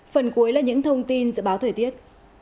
phần cuối là những thông tin dự báo thời tiết